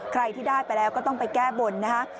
ใครที่ได้ไปแล้วก็ต้องไปแก้บนนะฮะ